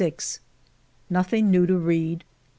Nothing new to read.